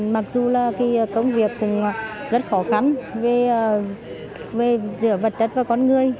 mặc dù là công việc cũng rất khó khăn về giữa vật chất và con người